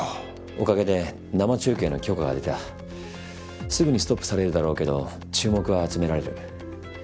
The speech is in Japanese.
おかげで生中継のすぐにストップされるだろうけど注目は集められる。